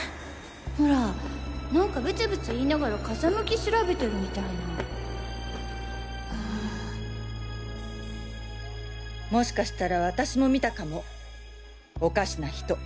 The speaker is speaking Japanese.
ほら何かブツブツ言いながら風向き調うんもしかしたら私も見たかもおかしな人。